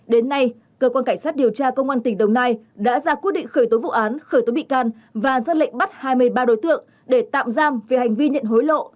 đến nay cơ quan cảnh sát điều tra công an tỉnh đồng nai đã ra quyết định khởi tố vụ án khởi tố bị can và ra lệnh bắt hai mươi ba đối tượng để tạm giam về hành vi nhận hối lộ